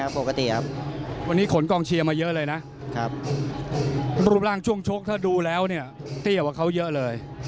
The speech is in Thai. เป็นเดิมไหนบ้างเห็นตื่นเต้นมาเจอกันอย่างไร